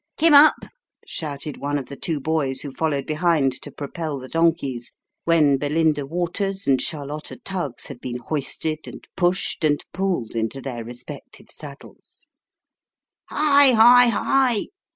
" Kim up !" shouted one of the two boys who followed behind, to propel the donkeys, when Belinda Waters and Charlotta Tuggs had been hoisted, and pushed, and pulled, into their respective saddles. " Hi hi hi